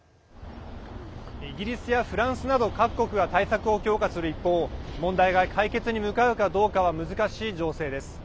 イギリスやフランスなど各国が対策を強化する一方問題が解決に向かうかどうかは難しい情勢です。